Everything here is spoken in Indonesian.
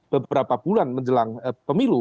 beberapa bulan menjelang pemilu